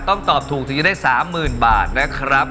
โต๊กตอบถูกถึงจะได้สามหมื่นบาทนะครับ